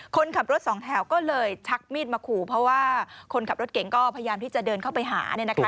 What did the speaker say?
คนขับรถสองแถวก็เลยชักมีดมาขู่เพราะว่าคนขับรถเก่งก็พยายามที่จะเดินเข้าไปหา